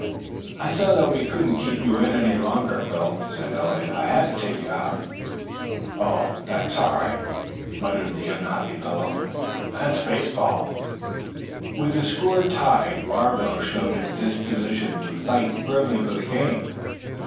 "I saw that we couldn't keep you in any longer, Phil," said Eliot. "I had to take you out." "Oh, that's all right," muttered the unhappy fellow. "That's baseball." With the score tied, Barville showed a disposition to fight grimly for the game.